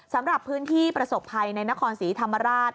สำหรับพื้นที่ประสบภัยในนครศรีธรรมราช